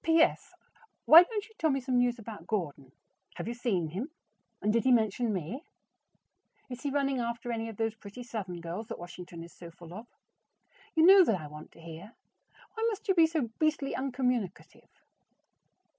P.S. Why don't you tell me some news about Gordon? Have you seen him, and did he mention me? Is he running after any of those pretty Southern girls that Washington is so full of? You know that I want to hear. Why must you be so beastly uncommunicative?